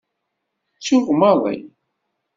Ttuɣ maḍi.